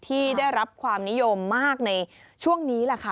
ที่ได้รับความนิยมมากในช่วงนี้แหละค่ะ